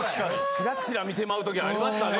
チラチラ見てまう時ありましたね。